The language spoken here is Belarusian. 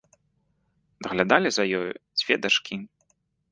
Даглядалі за ёю дзве дачкі.